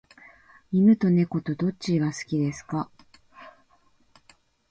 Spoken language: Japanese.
犬と猫とどちらが好きですか？